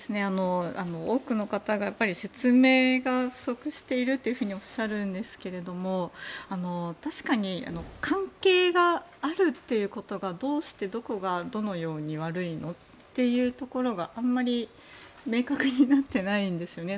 多くの方が説明が不足しているとおっしゃるんですが確かに関係があるということがどうして、どこが、どのように悪いのっていうところがあんまり明確になってないんですよね。